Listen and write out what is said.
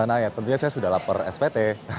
nah ya tentunya saya sudah lapar spt